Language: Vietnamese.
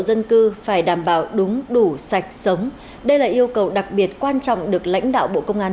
dân cư phải đảm bảo đúng đủ sạch sống đây là yêu cầu đặc biệt quan trọng được lãnh đạo bộ công an